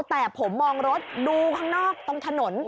แต่ผมมองรถดูข้างนอกตรงถนน